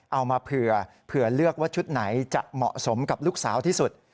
เอามาเผื่อเลือกว่าชุดไหนจะเหมาะสมกับลูกสาวที่สุด